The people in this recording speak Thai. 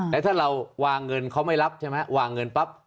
แล้วถ้าเราวางเงินเขาไม่รับใช่ไหมวางเงินปั๊บ